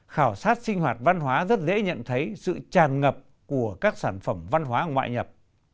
khảo sát sinh hoạt văn hóa rất dễ nhận thấy sự tràn ngập của các sản phẩm văn hóa ngoại nhập